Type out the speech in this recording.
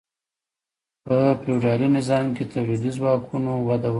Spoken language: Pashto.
په فیوډالي نظام کې تولیدي ځواکونو وده وکړه.